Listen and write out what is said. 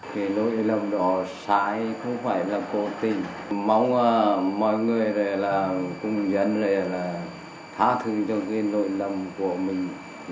cái lỗi lầm đó sai không phải là cố tình mong mọi người là công dân là thá thử cho cái lỗi lầm của mình